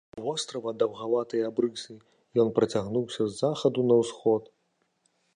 У вострава даўгаватыя абрысы, ён працягнуўся з захаду на ўсход.